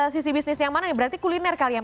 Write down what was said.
sisi bisnis yang mana nih berarti kuliner kali ya